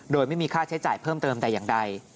โดยไม่มีค่าใช้จ่ายเพิ่มเติมแต่อย่างใด